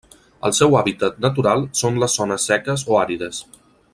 El seu hàbitat natural són les zones seques o àrides.